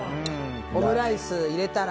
オムライス入れたら。